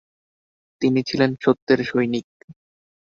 তিনি ছিলেন সত্যের সৈনিক।